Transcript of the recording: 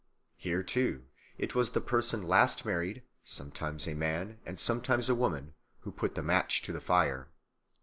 Here, too, it was the person last married, sometimes a man and sometimes a woman, who put the match to the fire.